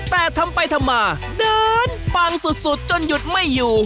แต่ทำไปทำมาเดินปังสุดจนหยุดไม่อยู่